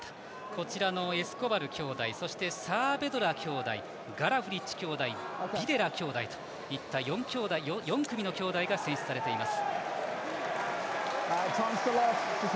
こちらのエスコバル兄弟そして、サアベドラ兄弟ガラフリッチ兄弟など４組の兄弟が選出されています。